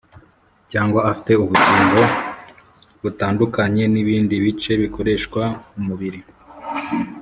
cyangwa afite ubugingo butandukanye n’ibindi bice bikoresha umubiri?